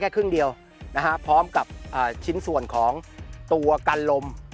แค่ครึ่งเดียวพร้อมกับชิ้นส่วนของตัวกันลม